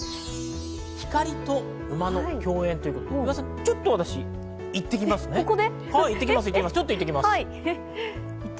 「光と馬の共演」ということで、ちょっと私、行ってここで？